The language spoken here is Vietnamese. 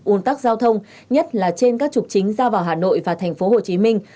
un tắc giao thông nhất là trên các trục chính ra vào hà nội và thành phố hồ chí minh